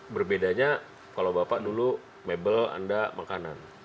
berbedanya kalau bapak dulu mebel anda makanan